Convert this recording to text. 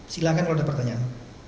silahkan kalau ada pertanyaan